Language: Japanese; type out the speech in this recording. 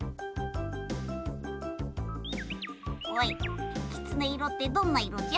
おいきつね色ってどんな色じゃ？